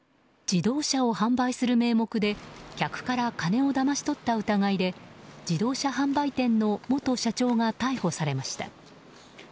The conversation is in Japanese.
自動車を販売する名目で客から金をだまし取った疑いで自動車販売店の元社長が逮捕されました。